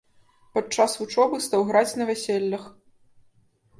Падчас вучобы стаў граць на вяселлях.